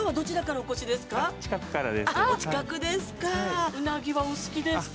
◆お近くですか。